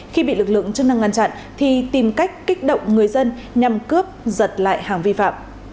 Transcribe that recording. khi bị lực lượng chức năng ngăn chặn thì tìm cách kích động người dân nhằm cướp giật lại hàng vi phạm